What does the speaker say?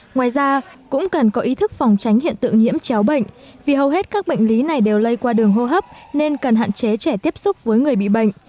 ngoài ra cũng cần có ý thức phòng tránh hiện tượng nhiễm chéo bệnh vì hầu hết các bệnh lý này đều lây qua đường hô hấp nên cần hạn chế trẻ tiếp xúc với người bị bệnh